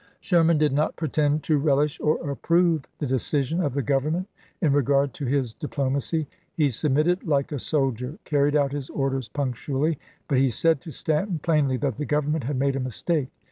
x Sherman did not pretend to relish or approve the decision of the Government in regard to his diplomacy. He submitted like a soldier, carried out his orders punctually ; but he said to Stanton plainly that the Government had made a mis "Memoirs'' take.